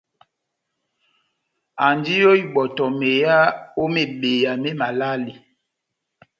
Andi ó ibɔtɔ meyá ó mebeya mé malale.